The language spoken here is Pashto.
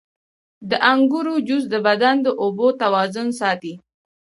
• د انګورو جوس د بدن د اوبو توازن ساتي.